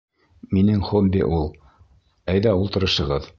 Минең хобби ул. Әйҙә, ултырышығыҙ.